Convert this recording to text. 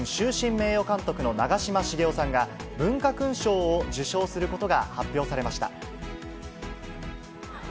名誉監督の長嶋茂雄さんが、文化勲章を受章することが発表されました。